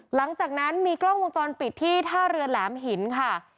หลังจากนั้นมีกล้องวงจรปิดที่ท่าเรือแหลมหินค่ะ